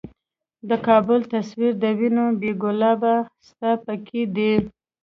د کـــــــــابل تصویر د وینو ،بې ګلابه ستا پیکی دی